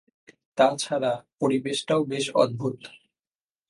তা ছাড়া পরিবেশটাও বেশ অদ্ভুত।